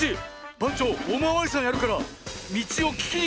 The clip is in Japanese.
ばんちょうおまわりさんやるからみちをききにきてごらん。